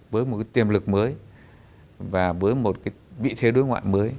với một cái tiềm lực mới và với một cái vị thế đối ngoại mới